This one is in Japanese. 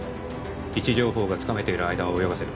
位置情報がつかめている間は泳がせる